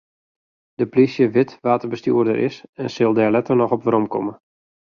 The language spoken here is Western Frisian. De polysje wit wa't de bestjoerder is en sil dêr letter noch op weromkomme.